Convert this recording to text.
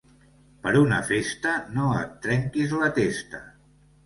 Per una festa no et trenquis la testa.